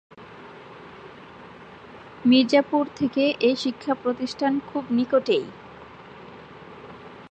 মির্জাপুর থেকে এ শিক্ষাপ্রতিষ্ঠান খুব নিকটেই।